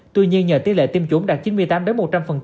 tuy nhiên nhờ tiêu lệ tiêm chủng đạt chín mươi tám một trăm linh mỗi một